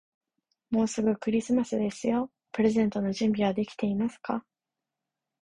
もうすぐクリスマスですよ。プレゼントの準備はできていますか。